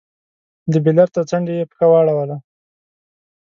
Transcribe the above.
د بېلر تر څنډې يې پښه واړوله.